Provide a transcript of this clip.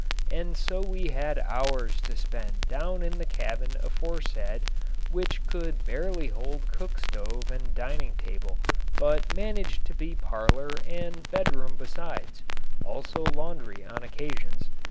And so we had hours to spend down in the cabin aforesaid, which could barely hold cook stove and dining table, but managed to be parlor and bedroom besides; also laundry on occasions.